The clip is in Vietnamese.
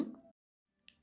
các nguyên nhân khác như là